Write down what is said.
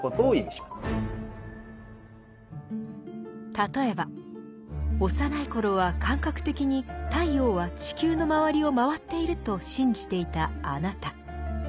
例えば幼い頃は感覚的に太陽は地球の周りを回っていると信じていたあなた。